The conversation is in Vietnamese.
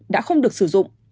đã không còn nữa